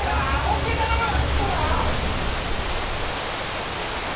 ホッケ頼む！